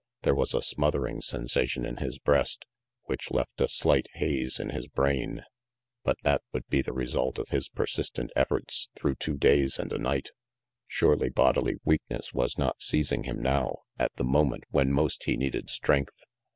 There was a smothering sensation in his breast, which left a slight haze in 352 RANGY PETE his brain. But that would be the result of his per sistent efforts through two days and a night. Surely bodily weakness was not seizing him now, at the moment when most he needed strength.